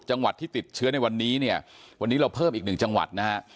จังหวัดที่ติดเชื้อในวันนี้เนี่ยวันนี้เราเพิ่มอีกหนึ่งจังหวัดนะฮะ